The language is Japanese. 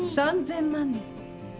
３０００万です。